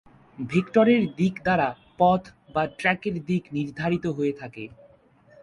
ভেক্টরের দিক দ্বারা পথ বা ট্র্যাকের দিক নির্ধারিত হয়ে থাকে।